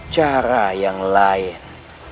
cara yang lain